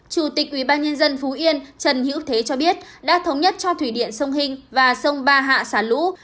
chủ tịch ubnd phú yên trần hiễu thế cho biết đã thống nhất cho thủy điện sông hình và sông ba hạ xả lũ